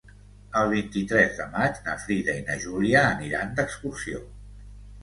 El vint-i-tres de maig na Frida i na Júlia aniran d'excursió.